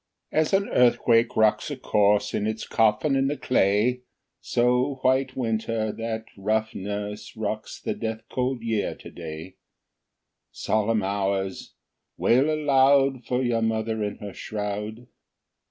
2. As an earthquake rocks a corse In its coffin in the clay, So White Winter, that rough nurse, Rocks the death cold Year to day; _10 Solemn Hours! wail aloud For your mother in her shroud.